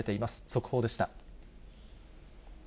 速報でした。